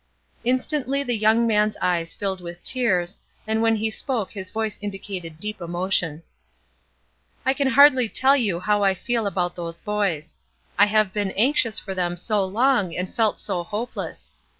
Instantly the young man's eyes filled with tears, and when he spoke his voice indicated deep emotion. "I can hardly tell you how I feel about those boys. I have been anxious for them so long and felt so hopeless.